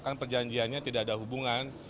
karena perjanjiannya tidak ada hubungan